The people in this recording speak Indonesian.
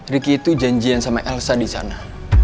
riki itu janjian sama elsa disana